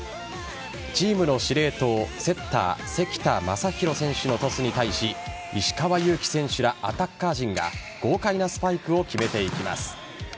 チームの司令塔セッター・関田誠大選手のトスに対し石川祐希選手らアタッカー陣が豪快なスパイクを決めていきます。